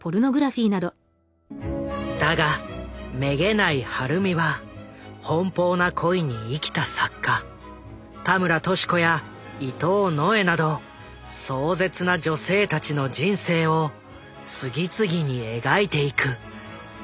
だがめげない晴美は奔放な恋に生きた作家田村俊子や伊藤野枝など壮絶な女性たちの人生を次々に描いていく。